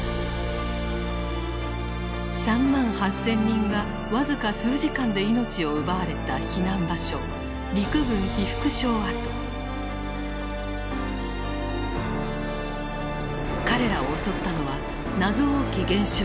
３万８，０００人が僅か数時間で命を奪われた避難場所彼らを襲ったのは謎多き現象